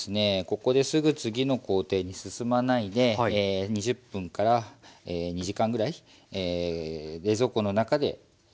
ここですぐ次の工程に進まないで２０分２時間ぐらい冷蔵庫の中で。